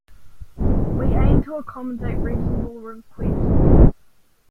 We aim to accommodate reasonable requests.